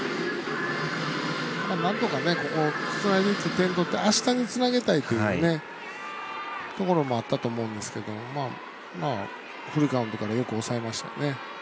なんとかここをつないでいって点を取って、あしたにつなげたいというところもあったと思うんですけどフルカウントからよく抑えましたよね。